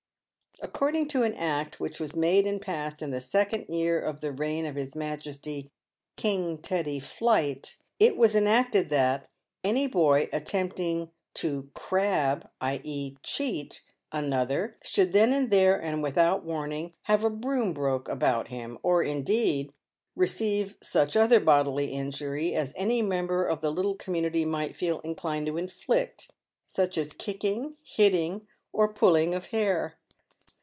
According to an act which was made and passed in the second year of the reign of his majesty King Teddy Might, it was enacted that, any boy attempting " to^crab," i. e. cheat, another, should then and there, and without warning, "have a broom broke about him," or, indeed, receive such other bodily injury as any member of the little com munity might feel inclined to inflict, such as kicking, hitting, or pull ing of hair.